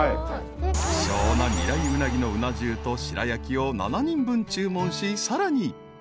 ［希少な未来鰻のうな重と白焼を７人分注文しさらに］